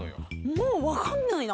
もう分かんないな。